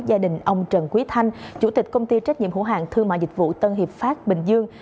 gia đình ông trần quý thanh chủ tịch công ty trách nhiệm hữu hạng thương mại dịch vụ tân hiệp pháp bình dương